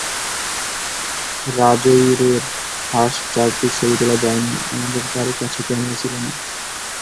রাজৈরের হাঁস চারটির ছবি তোলা যায়নি, আমাদের কারও কাছেই ক্যামেরা ছিল না।